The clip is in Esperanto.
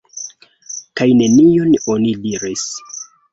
Kaj nenion oni diris.